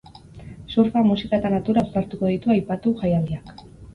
Surfa, musika eta natura uztartuko ditu aipatu jaialdiak.